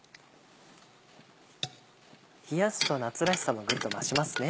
冷やすと夏らしさもグッと増しますね。